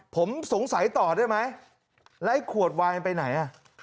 ผมสงสัยต่อได้ไหมแล้วไอ้ขวดวายมันไปไหนอ่ะ